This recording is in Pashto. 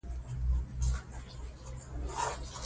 تنوع د افغانستان د ځانګړي ډول جغرافیه استازیتوب کوي.